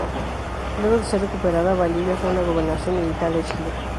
Luego de ser recuperada, Valdivia fue una gobernación militar de Chile.